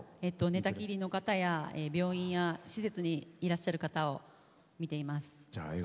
寝たきりの方や病院や、施設にいらっしゃる方を診ています。